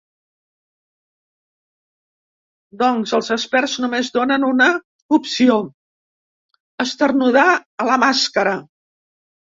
Doncs els experts només donen una opció: esternudar a la màscara.